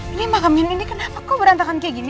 ini pemakam nindi kenapa kok berantakan kayak gini